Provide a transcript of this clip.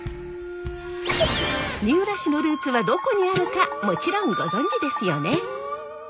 三浦氏のルーツはどこにあるかもちろんご存じですよね？